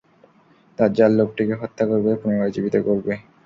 দাজ্জাল লোকটিকে হত্যা করবে, পুনরায় জীবিত করবে।